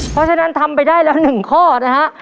เพราะฉะนั้นทำไปได้แล้ว๑ข้อนะฮะ